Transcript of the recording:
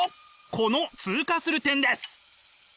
この通過する点です。